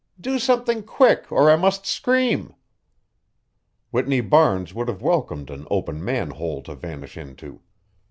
Do something quick or I must scream." Whitney Barnes would have welcomed an open manhole to vanish into.